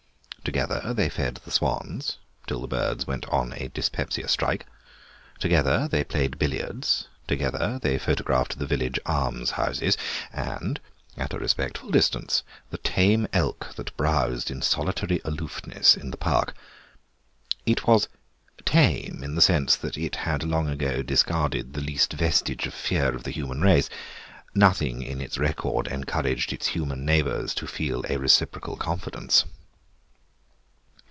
Together they fed the swans, till the birds went on a dyspepsia strike, together they played billiards, together they photographed the village almshouses, and, at a respectful distance, the tame elk that browsed in solitary aloofness in the park. It was "tame" in the sense that it had long ago discarded the least vestige of fear of the human race; nothing in its record encouraged its human neighbours to feel a reciprocal confidence.